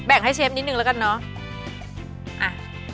ให้เชฟนิดนึงแล้วกันเนาะ